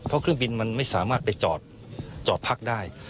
เพราะเครื่องบินมันไม่สามารถไปจอดพักได้